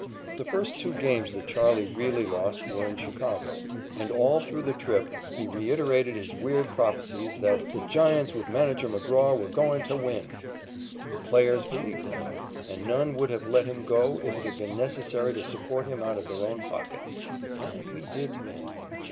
The first two games that "Charley" really lost were in Chicago. And all through the trip, he reiterated his weird prophecies that "the Giants with Manager McGraw were goin' ta win." The players believed in him, and none would have let him go if it had been necessary to support him out of their own pockets. And we did win.